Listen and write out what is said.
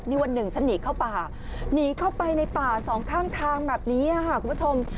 นี่วันหนึ่งฉันหนีเข้าป่าหนีเข้าไปในป่าสองข้างทางแบบนี้ค่ะคุณผู้ชม